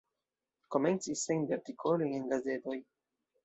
Komencis sendi artikolojn en gazetoj.